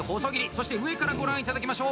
そして上からご覧頂きましょう。